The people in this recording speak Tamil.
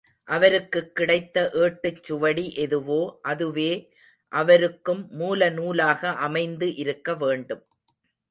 அவருக்குக் கிடைத்த ஏட்டுச் சுவடி எதுவோ அதுவே அவருக்கும் மூலநூலாக அமைந்து இருக்க வேண்டும்.